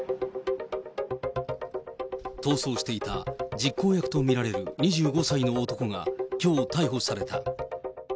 逃走していた実行役と見られる２５歳の男が、きょう逮捕された。